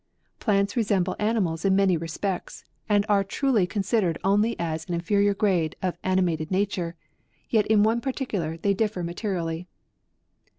Plants resemble ani mals in many respects, and are truly consid ered as only an inferior grade of animated 164 AUGUST. nature ; yet in one particular they differ ma terially.